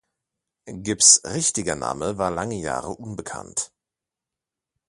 Gips’ richtiger Name war lange Jahre unbekannt.